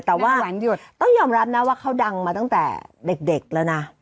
แต่ว่าแหวนหยดต้องยอมรับนะว่าเขาดังมาตั้งแต่เด็กแล้วนะ